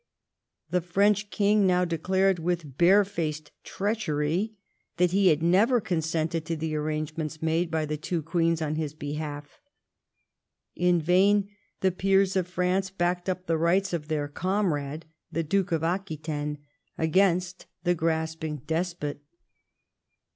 The French king now declared, with barefaced treachery, that he had never consented to the arrangements made by the two queens on his behalf. In vain the peers of France backed up the rights of their comrade, the Duke of Aquitaine, against the grasping despot.